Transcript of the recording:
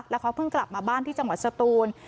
แล้วเขาเพิ่งกลับมาบ้านที่จังหวัดสตูน